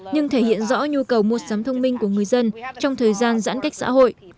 nhưng thể hiện rõ nhu cầu mua sắm thông minh của người dân trong thời gian giãn cách xã hội